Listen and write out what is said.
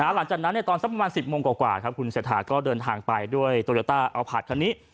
หลังจากนั้นตอนสักประมาณ๑๐โมงกว่าคุณเศรษฐาก็เดินทางไปด้วยโตโยต้าเอาผัดคันนี้